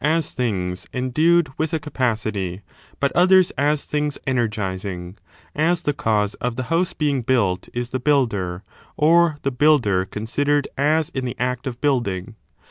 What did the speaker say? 115 endued with a capacity, but others as things energizing; as the cause of the house being built is the builder, or the builder considered as in the act of building.